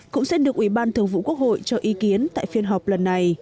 cũng sẽ được ủy ban thường vụ quốc hội cho ý kiến tại phiên họp lần này